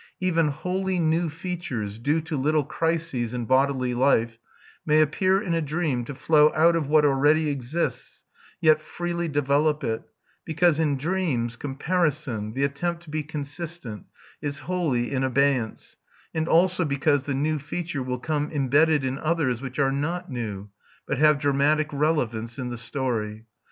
Even wholly new features, due to little crises in bodily life, may appear in a dream to flow out of what already exists, yet freely develop it; because in dreams comparison, the attempt to be consistent, is wholly in abeyance, and also because the new feature will come imbedded in others which are not new, but have dramatic relevance in the story.